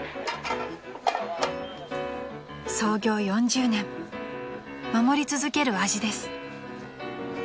［創業４０年守り続ける味です］